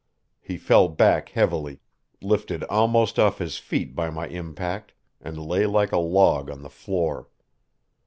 He fell back heavily, lifted almost off his feet by my impact, and lay like a log on the floor.